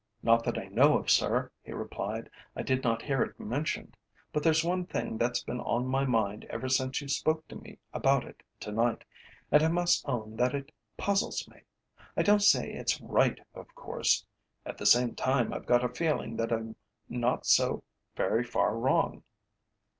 "Not that I know of, sir," he replied; "I did not hear it mentioned. But there's one thing that's been on my mind ever since you spoke to me about it to night, and I must own that it puzzles me. I don't say it's right, of course; at the same time I've got a feeling that I'm not so very far wrong."